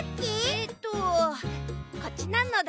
えっとこっちなのだ。